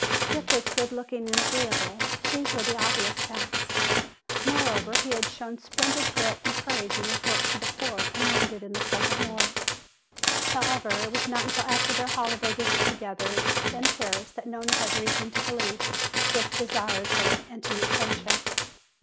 Dick was good looking and agreeable, these were obvious facts. Moreover, he had shown splendid grit and courage in his work for the poor and wounded in the present war. However, it was not until after their holiday visit together in Paris that Nona had reason to believe Dick desired her intimate friendship.